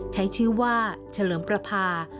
ใช้ชื่อว่าเฉลิมประพา